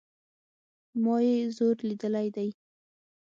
ما ئې زور ليدلى دئ